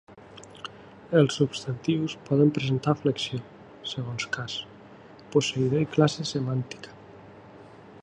Els substantius poden presentar flexió segons cas, posseïdor i classe semàntica.